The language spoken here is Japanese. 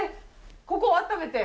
ここあっためて。